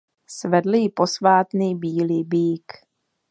Svedl ji posvátný bílý býk.